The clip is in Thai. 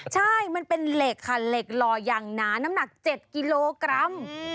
ใช่มันเป็นเหล็กค่ะเหล็กหล่ออย่างหนาน้ำหนัก๗กิโลกรัม